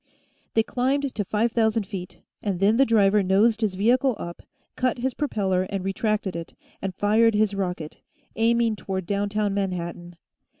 They climbed to five thousand feet, and then the driver nosed his vehicle up, cut his propeller and retracted it, and fired his rocket, aiming toward downtown Manhattan.